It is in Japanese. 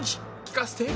聞かせて！